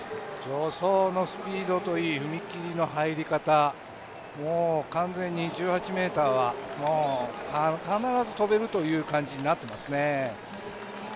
助走のスピードといい、踏み切りの入り方、完全に１８ｍは、必ず跳べるという感じになっていますね。